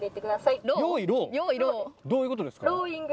どういうことですか？